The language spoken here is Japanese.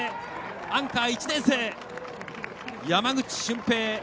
アンカー、１年生山口竣平。